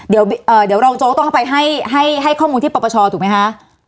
เดี๋ยวเอ่อเดี๋ยวลองโจ๊กต้องเข้าไปให้ให้ให้ข้อมูลที่ปรปชถูกไหมฮะ